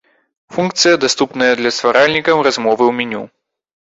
Функцыя даступная для стваральнікаў размовы ў меню.